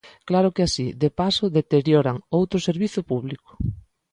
Claro que así, de paso, deterioran outro servizo público.